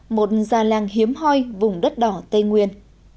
một già làng hiếm hoi vùng đất đỏ tây nguyên